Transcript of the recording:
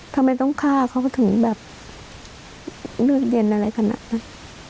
ทำไมต้องฆ่าเขาถึงแบบเลือดเย็นอะไรขนาดนั้น